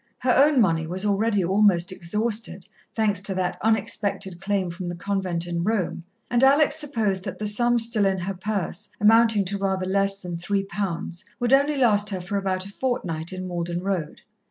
Her own money was already almost exhausted, thanks to that unexpected claim from the convent in Rome, and Alex supposed that the sum still in her purse, amounting to rather less than three pounds, would only last her for about a fortnight in Malden Road.